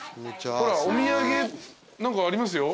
ほらお土産ありますよ。